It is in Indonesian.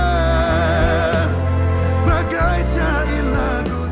aku akan mencari kamu